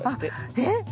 えっ！